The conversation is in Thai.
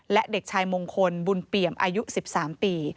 และเด็กชายมงคลบุญเปี่ยมอายุ๑๓ปี